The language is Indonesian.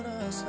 terima kasih ya